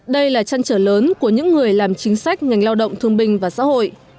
đây là trăn trở lớn của những người làm chính sách ngành lao động thương binh và xã hội